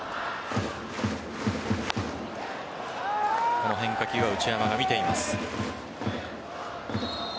この変化球は内山が見ています。